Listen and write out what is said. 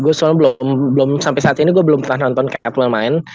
gue sebenarnya belum sampai saat ini gue belum pernah nonton catware main